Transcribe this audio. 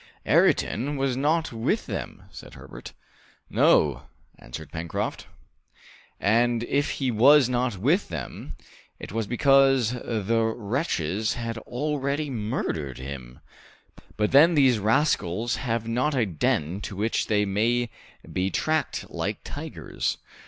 "Ayrton was not with them!" said Herbert. "No," answered Pencroft, "and if he was not with them, it was because the wretches had already murdered him! but then these rascals have not a den to which they may be tracked like tigers!"